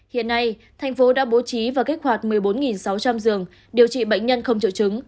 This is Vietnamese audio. hiện nay thành phố đã bố trí và kích hoạt một mươi bốn sáu trăm linh giường điều trị bệnh nhân không triệu chứng